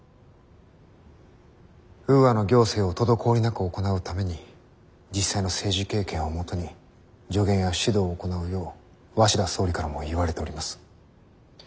ウーアの行政を滞りなく行うために実際の政治経験をもとに助言や指導を行うよう鷲田総理からも言われております。